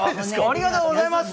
ありがとうございます！